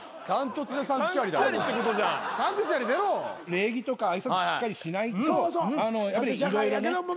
礼儀とか挨拶しっかりしないとやっぱり色々ね。